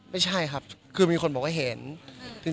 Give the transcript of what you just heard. ไม่ใช่ครับคือมีคนบอกว่าเห็น